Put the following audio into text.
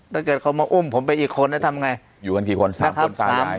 ถ้าเกิดเขามาอุ้มผมไปอีกคนแล้วทำไงอยู่กันกี่คนสามคนตาย